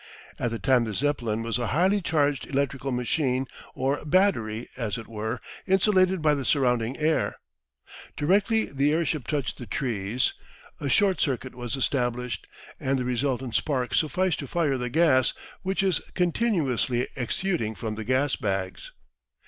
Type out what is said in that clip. At the time the Zeppelin was a highly charged electrical machine or battery as it were, insulated by the surrounding air. Directly the airship touched the trees a short circuit was established, and the resultant spark sufficed to fire the gas, which is continuously exuding from the gas bags.